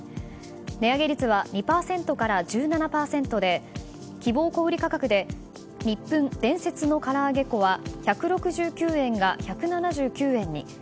値上げ率は２％から１７％で希望小売価格でニップン伝説のから揚げ粉は１６９円が１７９円に。